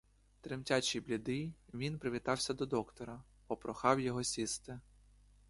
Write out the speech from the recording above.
Тремтячий, блідий, він привітався до доктора, попрохав його сісти.